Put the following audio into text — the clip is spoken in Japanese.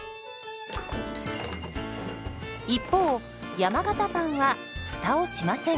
一方山型パンはフタをしません。